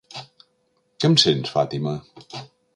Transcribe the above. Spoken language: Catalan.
Que em sents, Fàtima?!